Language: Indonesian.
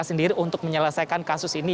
sendiri untuk menyelesaikan kasus ini